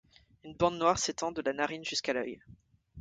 Une bande noire s'étend de la narine jusqu'à l’œil.